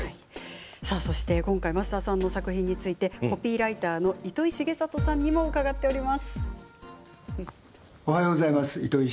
今回、増田さんの作品についてコピーライターの糸井重里さんにも伺っています。